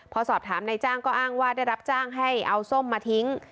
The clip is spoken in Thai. พอสอบถามนายจ้างก็อ้างว่าได้รับจ้างให้เอาส้มมาทิ้ง